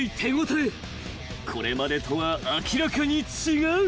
［これまでとは明らかに違う］